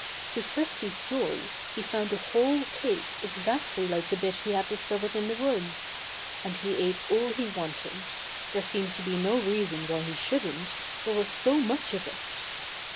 To Frisky's joy, he found a whole cake exactly like the bit he had discovered in the woods. And he ate all he wanted; there seemed to be no reason why he shouldn't, there was so much of it.